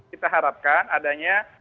kita harapkan adanya